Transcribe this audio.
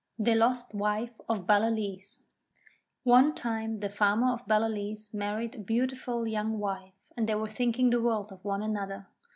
THE LOST WIFE OF BALLALEECE One time the Farmer of Ballaleece married a beautiful young wife and they were thinking the world of one another.